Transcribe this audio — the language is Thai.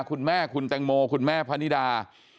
คุณแม่คุณแตงโมคุณแม่พนิดา